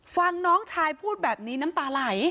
น้องชายพูดแบบนี้น้ำตาไหล